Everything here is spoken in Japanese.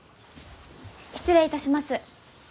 失礼いたします。